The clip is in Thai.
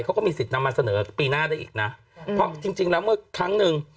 เขาก็มีสิทธิ์นำมาเสนอปีหน้าได้อีกนะเพราะจริงจริงแล้วเมื่อครั้งหนึ่ง